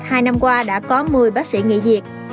hai năm qua đã có một mươi bác sĩ nghị diệt